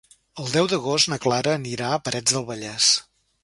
El deu d'agost na Clara anirà a Parets del Vallès.